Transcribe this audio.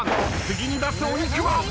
次に出すお肉は。